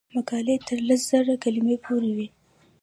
مقالې تر لس زره کلمو پورې وي.